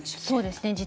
そうですね。